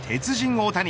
大谷。